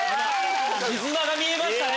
絆が見えましたね